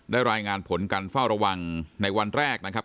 รายงานผลการเฝ้าระวังในวันแรกนะครับ